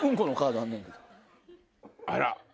あら！